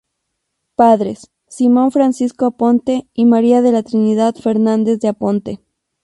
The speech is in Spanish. Padres: Simón Francisco Aponte y María de la Trinidad Fernández de Aponte.